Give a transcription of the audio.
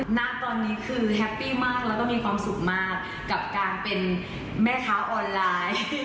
ณตอนนี้คือแฮปปี้มากแล้วก็มีความสุขมากกับการเป็นแม่ค้าออนไลน์